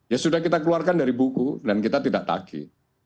ya sudah kita keluarkan dari buku dan kita tidak tagi